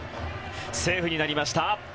セーフになりました。